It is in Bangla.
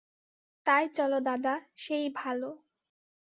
তাই চলো দাদা, সেই ভালো।